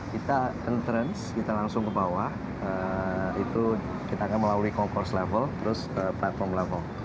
kita enterance kita langsung ke bawah itu kita akan melalui conce level terus ke platform level